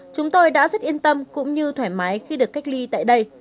chúng tôi đã rất yên tâm cũng như thoải mái khi được cách ly tại đây